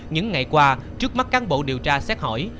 những ngày qua trước mắt cán bộ điều tra xét hỏi